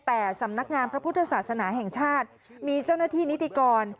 แต่สำนักงานพระพุทธศาสนาแห่งชาติมีเจ้าหน้าที่นิติกร